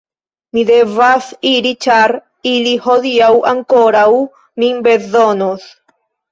Mi devas iri ĉar ili hodiaŭ ankoraŭ min bezonos.